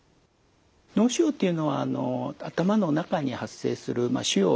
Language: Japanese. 脳腫瘍っていうのはあの頭の中に発生するまあ腫瘍ですね。